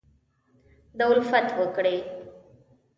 دالفت وکړي